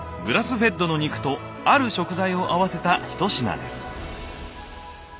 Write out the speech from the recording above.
グラスフェッドの肉とある食材を合わせた一品です。